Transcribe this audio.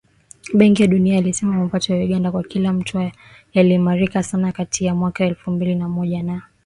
Benki ya Dunia ilisema mapato ya Uganda kwa kila mtu yaliimarika sana kati ya mwaka elfu mbili na moja na elfu mbili kumi na moja